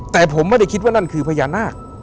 แต่ผมไม่ได้คิดว่านั่นคือพญานาค